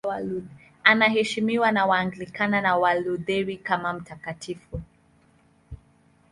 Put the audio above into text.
Anaheshimiwa na Waanglikana na Walutheri kama mtakatifu.